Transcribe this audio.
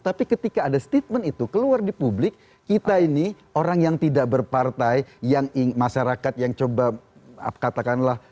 tapi ketika ada statement itu keluar di publik kita ini orang yang tidak berpartai yang masyarakat yang coba katakanlah